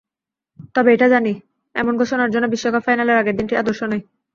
তবে এটা জানি, এমন ঘোষণার জন্য বিশ্বকাপ ফাইনালের আগের দিনটি আদর্শ নয়।